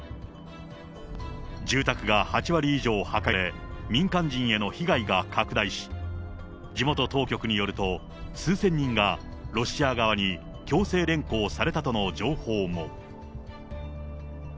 住宅が８割以上破壊され、民間人への被害が拡大し、地元当局によると、数千人がロシア側に強制連行されたとの情報も。